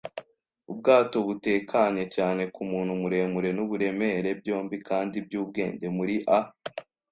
ubwato butekanye cyane kumuntu muremure n'uburemere, byombi kandi byubwenge muri a